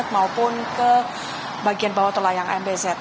maupun ke bagian bawah atau layang mbz